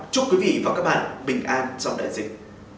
chúc quý vị và các bạn bình an trong đợt dịch